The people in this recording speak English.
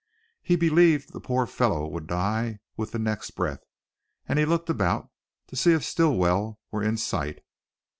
He believed the poor fellow would die with the next breath, and looked about to see if Stilwell were in sight.